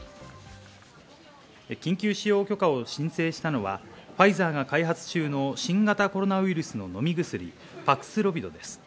緊急使用許可を申請したのはファイザーが開発中の新型コロナウイルスの飲み薬、パクスロビドです。